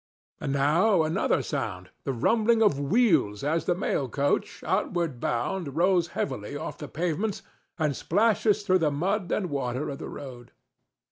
And now another sound—the rumbling of wheels as the mail coach, outward bound, rolls heavily off the pavements and splashes through the mud and water of the road.